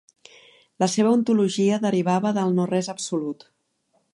La seva ontologia derivava del no res absolut.